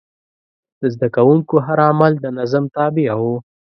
د زده کوونکو هر عمل د نظم تابع و.